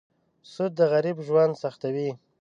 سود د غریب ژوند سختوي.